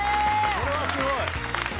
これはすごい！